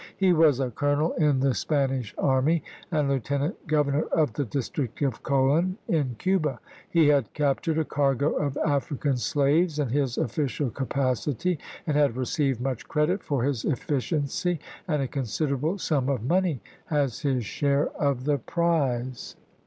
He was a colonel in the Spanish army and lieutenant gov ernor of the district of Colon, in Cuba. He had captured a cargo of African slaves in his official capacity, and had received much credit for his efficiency and a considerable sum of money as his share of the prize.